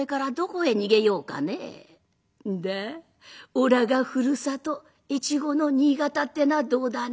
おらがふるさと越後の新潟ってのはどうだね？」。